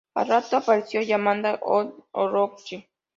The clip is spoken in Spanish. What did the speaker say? Al rato apareció Yamata-no-Orochi.